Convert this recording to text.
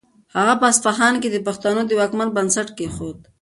هغه په اصفهان کې د پښتنو د واکمنۍ بنسټ کېښود.